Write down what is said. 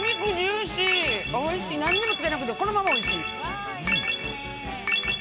何もつけなくてこのままおいしい。